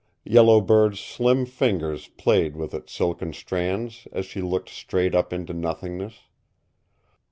Yellow Bird's slim fingers played with its silken strands as she looked straight up into nothingness.